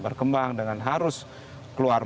berkembang dengan harus keluar